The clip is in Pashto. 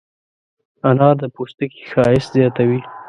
انار د پوستکي ښایست زیاتوي.